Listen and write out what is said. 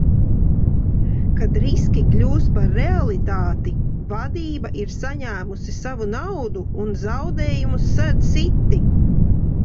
Kad riski kļūst par realitāti, vadība ir saņēmusi savu naudu, un zaudējumus sedz citi.